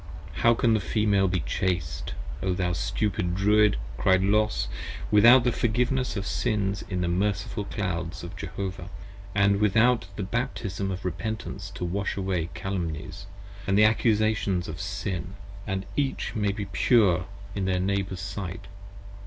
How can the Female be Chaste, O thou stupid Druid, Cried Los, Without the Forgiveness of Sins in the merciful clouds of Jehovah, And without the Baptism of Repentance to wash away Calumnies, and The Accusations of Sin, that each may be Pure in their Neighbours' sight?